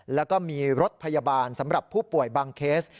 แล้วก็มีรถพยาบาลสำหรับผู้ป่วยบางเคส